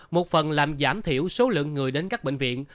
một phần làm giảm thiểu số lượng người đến các bệnh viện